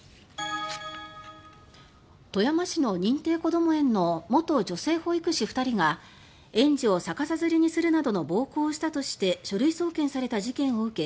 富山市の認定こども園の元女性保育士２人が園児を逆さづりにするなどの暴行をしたとして書類送検された事件を受け